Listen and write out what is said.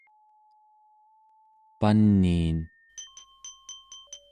paniin